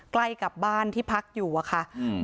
ใกล้กับบ้านที่พักอยู่อะค่ะ